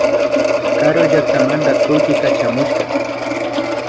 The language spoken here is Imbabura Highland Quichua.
Karuy llaktamanta kullki kachamushka